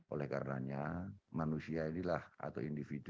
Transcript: oleh karenanya manusia inilah atau individu